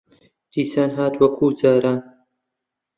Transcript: دیسان هات وەکوو جاران